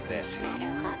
なるほど。